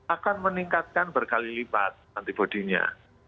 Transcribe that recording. akan meningkatkan berkali lipat antibodinya